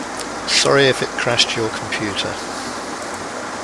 Sorry if it crashed your computer.